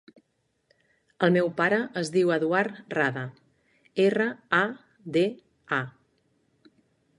El meu pare es diu Eduard Rada: erra, a, de, a.